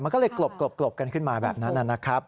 มันก็เลยกลบกันขึ้นมาแบบนั้นนะครับ